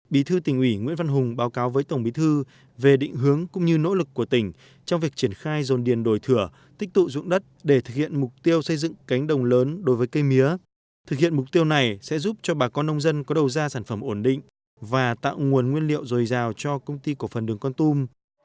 bí thư tỉnh ủy nguyễn văn hùng báo cáo với tổng bí thư về định hướng cũng như nỗ lực của tỉnh trong việc triển khai dồn điền đổi thửa tích tụ dụng đất để thực hiện mục tiêu xây dựng cánh đồng lớn đối với cây mía thực hiện mục tiêu này sẽ giúp cho bà con nông dân có đầu ra sản phẩm ổn định và tạo nguồn nguyên liệu dồi dào cho công ty cổ phần đường con tum